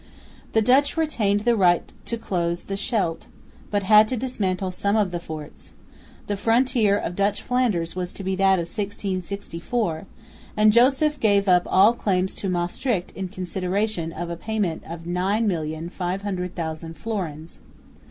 The Dutch retained the right to close the Scheldt, but had to dismantle some of the forts; the frontier of Dutch Flanders was to be that of 1664; and Joseph gave up all claim to Maestricht in consideration of a payment of 9,500,000 florins.